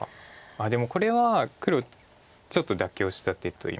あっでもこれは黒ちょっと妥協した手といいますか。